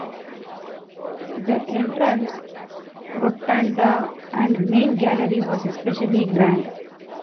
The entrance rotunda and main gallery was especially grand.